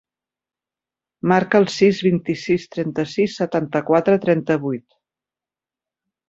Marca el sis, vint-i-sis, trenta-sis, setanta-quatre, trenta-vuit.